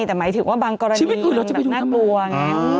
แต่หมายถึงว่าบางกรณีคือแบบน่ากลัวไง